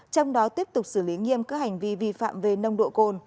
trong đó tiếp tục xử lý nghiêm các hành vi vi phạm về nông độ cồn